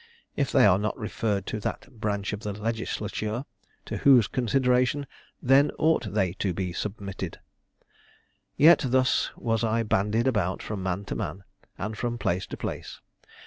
If they are not referred to that branch of the legislature, to whose consideration then ought they to be submitted? Yet thus was I bandied about from man to man, and from place to place.